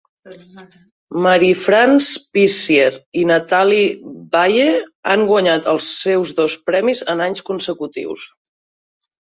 Marie-France Pisier i Nathalie Baye han guanyat els seus dos premis en anys consecutius.